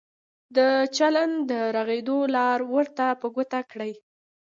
د چلند د رغېدو لار ورته په ګوته کړئ.